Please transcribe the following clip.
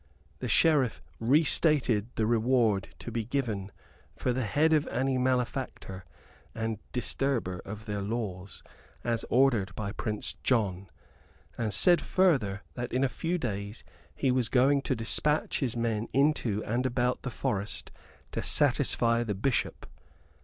The Sheriff re stated the reward to be given for the head of any malefactor and disturber of their laws, as ordered by Prince John; and said further that in a few days he was going to despatch his men into and about the forest to satisfy the Bishop.